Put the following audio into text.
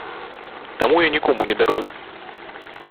Таму я нікому не дарую.